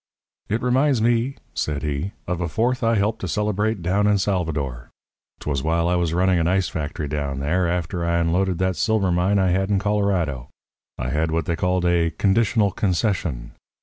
"It reminds me," said he, "of a Fourth I helped to celebrate down in Salvador. 'Twas while I was running an ice factory down there, after I unloaded that silver mine I had in Colorado. I had what they called a 'conditional concession.'